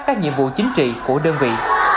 các nhiệm vụ chính trị của đơn vị